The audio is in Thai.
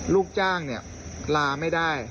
ลูกจ้างลาไม่ได้